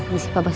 ya si papa